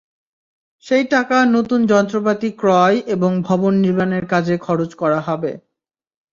সেই টাকা নতুন যন্ত্রপাতি ক্রয় এবং ভবন নির্মাণের কাজে খরচ করা হবে।